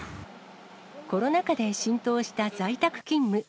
コロナ禍で浸透した在宅勤務。